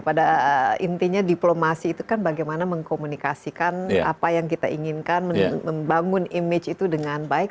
pada intinya diplomasi itu kan bagaimana mengkomunikasikan apa yang kita inginkan membangun image itu dengan baik